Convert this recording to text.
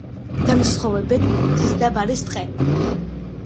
განსხვავებენ მთისა და ბარის ტყეები.